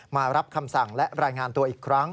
มารับคำสั่งและรายงานตัวอีกครั้ง